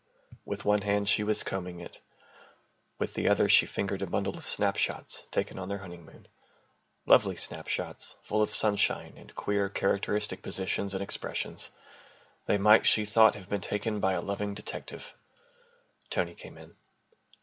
With one hand she was combing it, with the other she fingered a bundle of snapshots taken on their honeymoon lovely snapshots, full of sunshine and queer, characteristic positions and expressions. They might, she thought, have been taken by a loving detective. Tony came in.